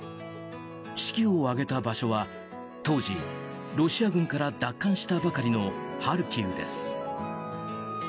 式を挙げた場所は、当時ロシア軍から奪還したばかりのハルキウです。